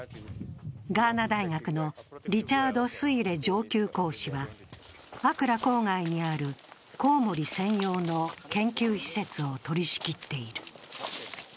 ガーな大学のリチャード・スイレ上級講師はアクラ郊外にあるコウモリ専用の研究施設を取り仕切っている。